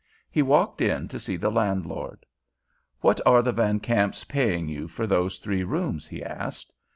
He walked in to see the landlord. "What are the Van Kamps paying you for those three rooms?" he asked.